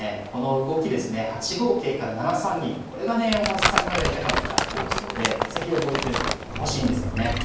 この動きですね８五桂から７三銀これがね大橋さんがやりたかった構想でこれ是非覚えてほしいんですよね。